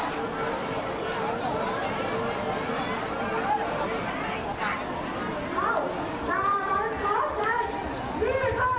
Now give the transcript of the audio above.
วิทยาลัยเมริกาวิทยาลัยเมริกา